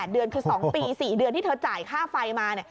เดือนคือ๒ปี๔เดือนที่เธอจ่ายค่าไฟมา